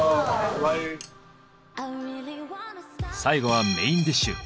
最後はメインディッシュ。